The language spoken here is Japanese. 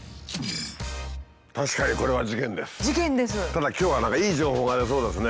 ただ今日は何かいい情報がありそうですね。